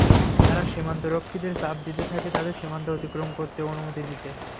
তারা সীমান্তরক্ষীদের চাপ দিতে থাকে তাদের সীমান্ত অতিক্রম করতে অনুমতি দিতে।